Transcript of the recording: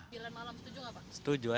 biliran malam setuju gak pak